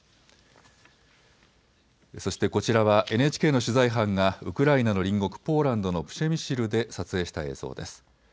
そしてこちらはＮＨＫの取材班がウクライナの隣国ポーランドのプシェミシルで撮影した映像です。